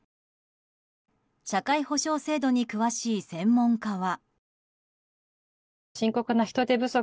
社会保障制度に詳しい専門家は。